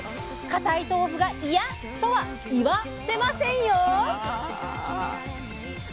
固い豆腐が「いや」とは「いわ」せませんよ。